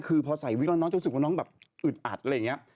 คือพอใส่วิกแล้วน้องจะรู้สึกว่าน้องแบบอึดอัดอะไรอย่างนี้